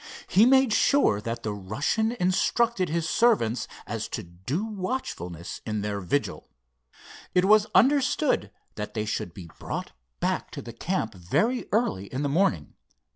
He made sure that the Russian instructed his servants as to due watchfulness in their vigil. It was understood that they should be brought back to the camp very early in the morning.